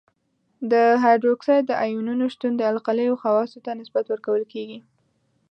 د هایدروکساید د آیونونو شتون د القلیو خواصو ته نسبت ورکول کیږي.